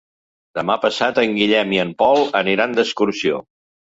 Demà passat en Guillem i en Pol aniran d'excursió.